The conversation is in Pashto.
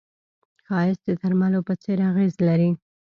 ښایست د درملو په څېر اغېز لري